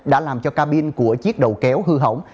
đã làm cho cabin của chiếc đầu kéo hư hỏng